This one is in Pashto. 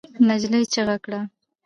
نجلۍ چيغه کړه.